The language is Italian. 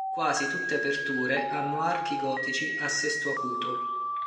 Quasi tutte aperture hanno archi gotici a sesto acuto.